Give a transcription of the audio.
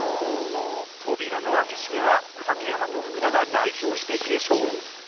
扉の開け閉めは竹山と福田が代表して継承